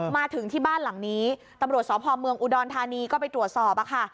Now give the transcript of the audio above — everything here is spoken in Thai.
มาถึงที่บ้านหลังนี้ตำรวจสพเมืองอุดรธานีก็ไปตรวจสอบค่ะ